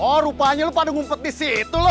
oh rupanya lo pada ngumpet disitu lo